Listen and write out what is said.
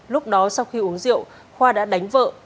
lúc đó sau khi uống rượu khoa đã đánh vợ